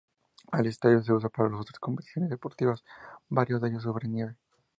El estadio se usa para otras competiciones deportivas, varios de ellos sobre nieve.